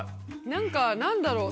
何か何だろう